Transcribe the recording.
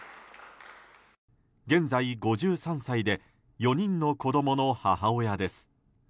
現在、５３歳で４人の子供の母親です。